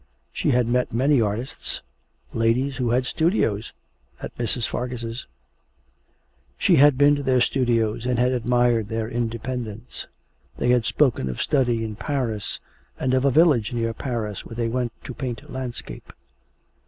She had met many artists ladies who had studios at Mrs. Fargus'. She had been to their studios and had admired their independence. They had spoken of study in Paris, and of a village near Paris where they went to paint landscape.